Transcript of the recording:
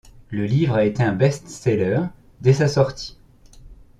Le livre a été un best-seller dès sa sortie.